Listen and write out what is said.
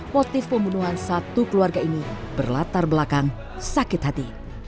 motif pembunuhan satu keluarga ini berlatar belakang sakit hati